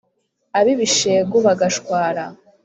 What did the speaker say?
Ab’ibishegu bagashwara